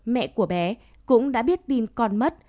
mẹ của bé cũng đã biết tin con mất